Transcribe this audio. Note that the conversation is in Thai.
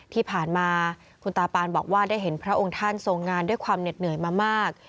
ที่ผ่านมาคุณตาปานบอกว่าได้เห็นพระองค์ท่านทรงงานด้วยความเหน็ดเหนื่อยมามาก